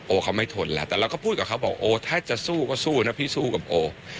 เขาไม่ทนแล้วแต่เราก็พูดกับเขาบอกโอถ้าจะสู้ก็สู้นะพี่สู้กับโอ